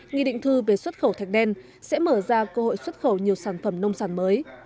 nghị định thư về xuất khẩu thạch đen sẽ mở ra cơ hội xuất khẩu nhiều sản phẩm nông sản mới